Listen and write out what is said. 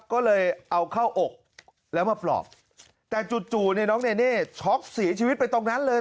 ก็เลยเอาเข้าอกแล้วมาปลอบแต่จู่เนี่ยน้องเนเน่ช็อกเสียชีวิตไปตรงนั้นเลย